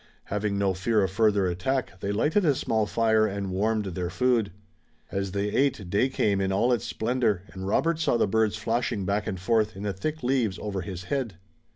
Having no fear of further attack, they lighted a small fire and warmed their food. As they ate day came in all its splendor and Robert saw the birds flashing back and forth in the thick leaves over his head.